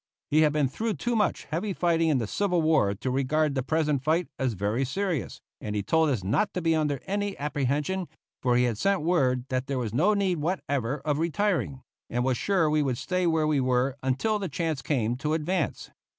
He had been through too much heavy fighting in the Civil War to regard the present fight as very serious, and he told us not to be under any apprehension, for he had sent word that there was no need whatever of retiring, and was sure we would stay where we were until the chance came to advance.